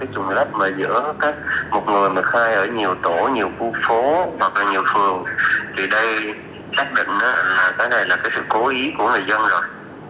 thì đây xác định là cái này là sự cố ý của người dân rồi